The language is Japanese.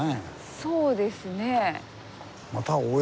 そうですね。